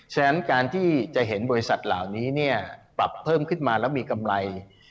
ฉะนั้นการที่จะเห็นบริษัทเหล่านี้ปรับเพิ่มขึ้นมาแล้วมีกำไร